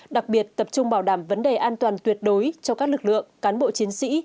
đặc biệt tập trung bảo đảm vấn đề an toàn tuyệt đối cho các lực lượng cán bộ chiến sĩ